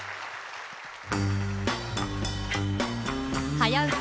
「はやウタ」